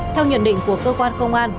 theo nhận định của cơ quan công an